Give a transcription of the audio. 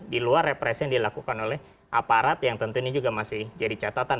di luar represi yang dilakukan oleh aparat yang tentu ini juga masih jadi catatan